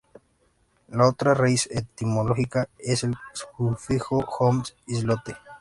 La otra raíz etimológica es el sufijo "-holm": islote.